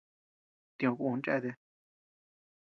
Tioʼö kun cheatea.